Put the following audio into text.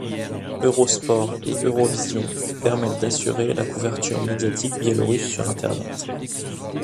Eurosport et Eurovision permettent d'assurer la couverture médiatique biélorusse sur Internet.